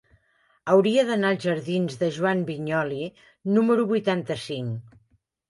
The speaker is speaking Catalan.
Hauria d'anar als jardins de Joan Vinyoli número vuitanta-cinc.